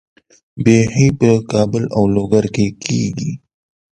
بیحي په کابل او لوګر کې کیږي.